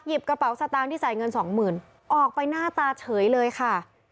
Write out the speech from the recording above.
กระเป๋าสตางค์ที่ใส่เงินสองหมื่นออกไปหน้าตาเฉยเลยค่ะ